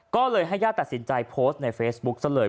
ก็เลยให้ญาติตัดสินใจโพสต์ในเฟซบุ๊คซะเลย